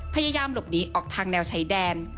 พยายามหลบหนีออกทางแนวชายแดน